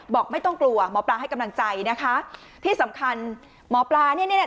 ไม่ต้องกลัวหมอปลาให้กำลังใจนะคะที่สำคัญหมอปลาเนี่ย